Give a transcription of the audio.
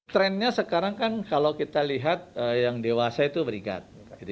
trendnya sekarang kan kalau kita lihat yang dewasa itu berikat